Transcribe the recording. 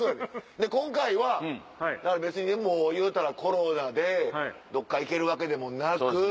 で今回はいうたらコロナでどっか行けるわけでもなく。